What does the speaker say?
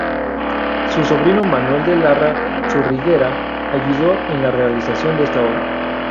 Su sobrino Manuel de Larra Churriguera ayudó en la realización de esta obra.